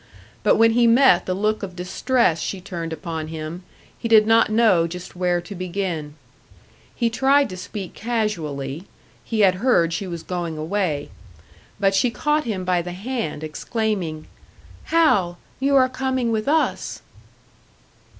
But when he met the look of distress she turned upon him, he did not know just where to begin. He tried to speak casually he had heard she was going away. But she caught him by the hand, exclaiming: "Hal, you are coming with us!"